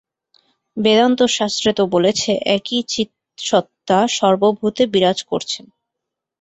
বেদান্তশাস্ত্রে তো বলেছে, একই চিৎসত্তা সর্বভূতে বিরাজ করছেন।